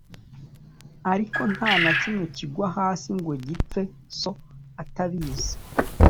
Ariko nta na kimwe kigwa hasi ngo gipfe So atabizi